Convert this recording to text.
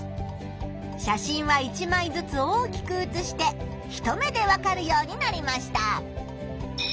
写真は１まいずつ大きくうつして一目でわかるようになりました。